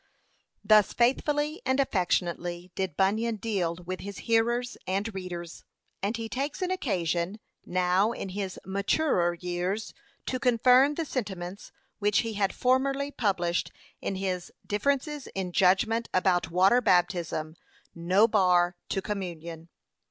p. 530. Thus faithfully and affectionately did Bunyan deal with his hearers and readers. And he takes an occasion, now in his maturer years, to confirm the sentiments which he had formerly published in his 'Differences in Judgment about Water Baptism no Bar to Communion.'